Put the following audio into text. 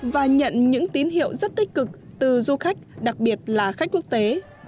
và nhận những tín hiệu rất tích cực từ du khách đặc biệt là khách quốc tế